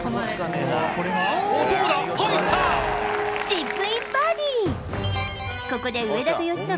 チップインバーディー。